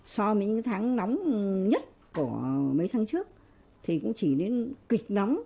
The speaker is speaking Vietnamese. so với những tháng nóng nhất của mấy tháng trước thì cũng chỉ đến kịch nóng